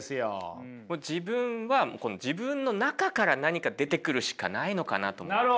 自分は自分の中から何か出てくるしかないのかなと思って。